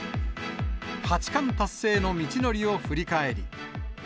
八冠達成の道のりを振り返り。